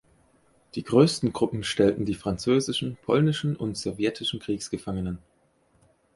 Die größten Gruppen stellten die französischen, polnischen und sowjetischen Kriegsgefangenen.